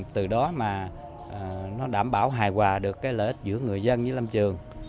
từ đó mà nó đảm bảo hài hòa được cái lợi ích giữa người dân với lâm trường